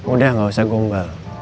udah gak usah gombal